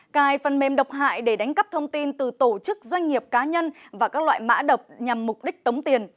cài phần mềm độc hại để đánh cắp thông tin từ tổ chức doanh nghiệp cá nhân và các loại mã độc nhằm mục đích tống tiền